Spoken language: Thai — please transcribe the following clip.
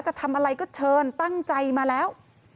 จะทำอะไรก็เชิญตั้งใจมาแล้ว